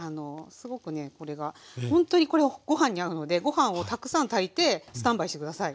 すごくねこれがほんとにこれご飯に合うのでご飯をたくさん炊いてスタンバイして下さい。